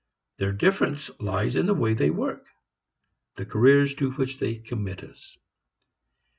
Their difference lies in the way they work, the careers to which they commit us.